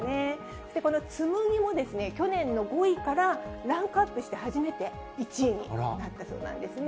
そしてこの紬も、去年の５位からランクアップして、初めて１位になったそうなんですね。